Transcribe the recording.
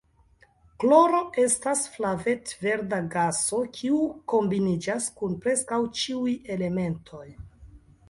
Kloro estas flavet-verda gaso kiu kombiniĝas kun preskaŭ ĉiuj elementoj.